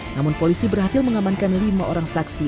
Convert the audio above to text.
namun polisi berhasil mengamankan lima orang saksi